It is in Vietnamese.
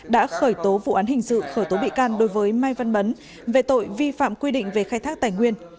đã khởi tố vụ án hình sự khởi tố bị can đối với mai văn bấn về tội vi phạm quy định về khai thác tài nguyên